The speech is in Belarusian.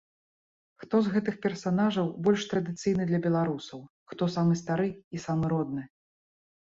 Хто з гэтых персанажаў больш традыцыйны для беларусаў, хто самы стары і самы родны?